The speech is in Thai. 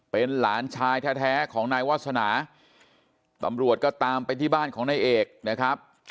เป็นหลานชายแท้ของนายวาสนาตำรวจก็ตามไปที่บ้านของนายเอกนะครับ